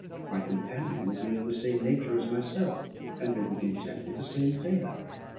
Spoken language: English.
My companion will be of the same nature as myself, and will be content with the same fare.